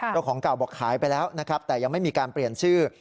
เจ้าของเก่าบอกขายไปแล้วนะครับแต่ยังไม่มีการเปลี่ยนชื่อ